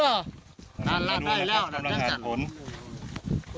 นั่นล่ะได้แล้วนั่นจัง